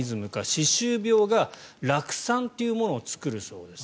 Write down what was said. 歯周病が酪酸というものを作るそうです。